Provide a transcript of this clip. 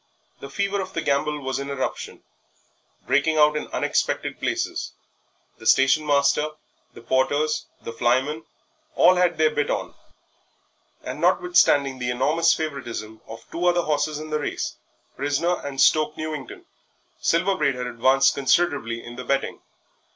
The fever of the gamble was in eruption, breaking out in unexpected places the station master, the porters, the flymen, all had their bit on, and notwithstanding the enormous favouritism of two other horses in the race Prisoner and Stoke Newington Silver Braid had advanced considerably in the betting.